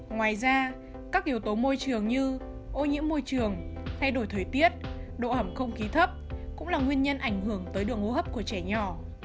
ngoài ra các yếu tố môi trường như ô nhiễm môi trường thay đổi thời tiết độ ẩm không khí thấp cũng là nguyên nhân ảnh hưởng tới đường hô hấp của trẻ nhỏ